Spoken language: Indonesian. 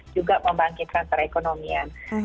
juga membangkitkan perekonomian